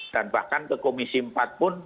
dan bahkan ke komisi empat pun